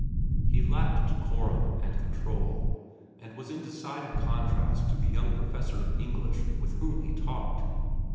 He lacked decorum and control, and was in decided contrast to the young professor of English with whom he talked.